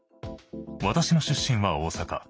私の出身は大阪。